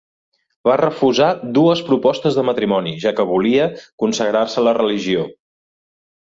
Va refusar dues propostes de matrimoni, ja que volia consagrar-se a la religió.